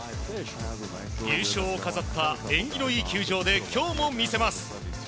優勝を飾った縁起のいい球場で今日も見せます。